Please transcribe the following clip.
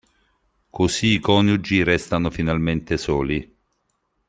Così i coniugi restano finalmente soli.